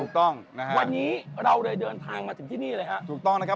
ถูกต้องนะฮะวันนี้เราเลยเดินทางมาถึงที่นี่เลยฮะถูกต้องนะครับ